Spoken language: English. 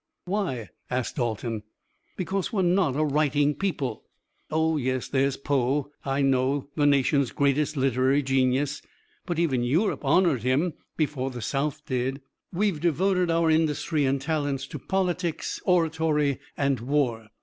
"Why?" asked Dalton. "Because we're not a writing people. Oh, yes, there's Poe, I know, the nation's greatest literary genius, but even Europe honored him before the South did. We've devoted our industry and talents to politics, oratory and war.